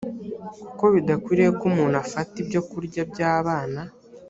kuko bidakwiriye ko umuntu afata ibyo kurya by’abana